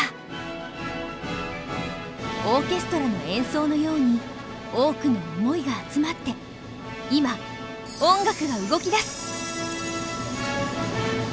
オーケストラの演奏のように多くの想いが集まって今音楽が動きだす！